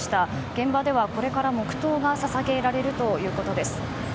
現場ではこれから黙とうが捧げられるということです。